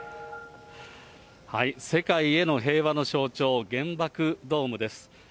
世界への平和の象徴、原爆ドームです。